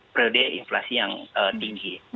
periode inflasi yang tinggi